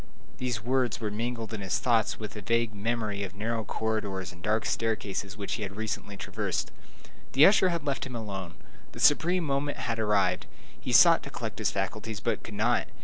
These words were mingled in his thoughts with a vague memory of narrow corridors and dark staircases which he had recently traversed. The usher had left him alone. The supreme moment had arrived. He sought to collect his faculties, but could not.